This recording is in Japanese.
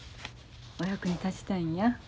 お役に立ちたいんや。